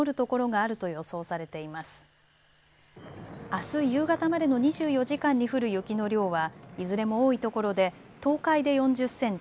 あす夕方までの２４時間に降る雪の量はいずれも多い所で東海で４０センチ